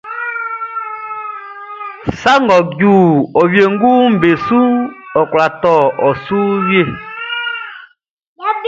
Sa ngʼɔ ju e wienguʼm be suʼn, ɔ kwla tɔ e su wie.